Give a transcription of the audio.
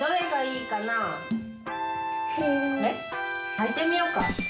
はいてみようか。